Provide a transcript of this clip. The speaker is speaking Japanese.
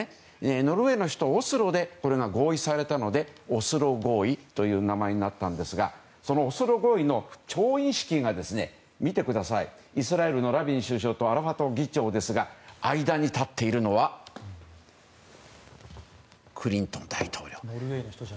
ノルウェーの首都オスロでこれが合意されたのでオスロ合意という名前になったんですがそのオスロ合意の調印式がイスラエルのラビン首相とアラファト議長ですが間に立っているのはクリントン大統領。